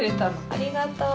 ありがとう。